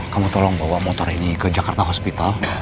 kamu tolong bawa motor ini ke jakarta hospital